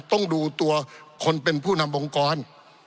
ต้องดูตัวคนเป็นผู้นำองค์กร